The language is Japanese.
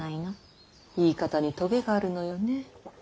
言い方にトゲがあるのよね。